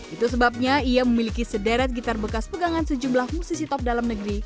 itu sebabnya ia memiliki sederet gitar bekas pegangan sejumlah musisi top dalam negeri